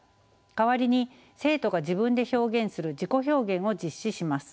代わりに生徒が自分で表現する自己表現を実施します。